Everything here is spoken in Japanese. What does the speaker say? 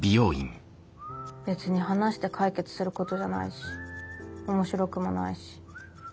別に話して解決することじゃないし面白くもないし。